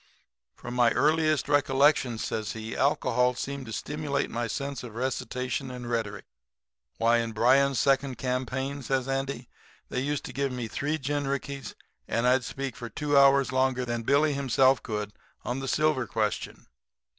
"'From my earliest recollections,' says he, 'alcohol seemed to stimulate my sense of recitation and rhetoric. Why, in Bryan's second campaign,' says Andy, 'they used to give me three gin rickeys and I'd speak two hours longer than Billy himself could on the silver question.